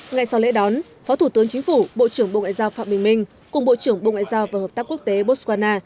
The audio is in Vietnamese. ngay sau lễ đón phó thủ tướng chính phủ bộ trưởng bộ ngoại giao phạm bình minh cùng bộ trưởng bộ ngoại giao và hợp tác quốc tế botswana